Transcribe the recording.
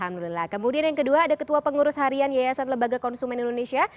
alhamdulillah kemudian yang kedua ada ketua pengurus harian yayasan lembaga konsumen indonesia